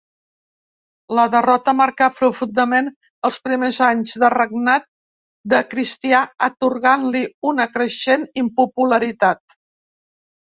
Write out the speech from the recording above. La derrota marcà profundament els primers anys de regnat de Cristià atorgant-li una creixent impopularitat.